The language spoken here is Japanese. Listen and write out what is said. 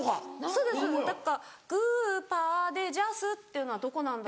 そうです「グパでジャス」っていうのはどこなんだろうな。